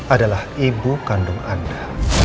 adalah ibu kandung anda